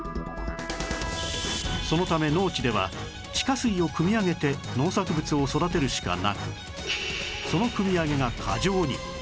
そのため農地では地下水をくみ上げて農作物を育てるしかなくそのくみ上げが過剰に